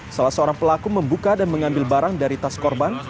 salah seorang pelaku membuka dan mengambil barang dari tas korban